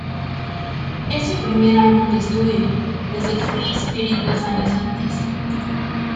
Es su primer álbum de estudio desde Free Spirit dos años antes.